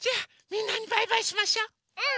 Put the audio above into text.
うん！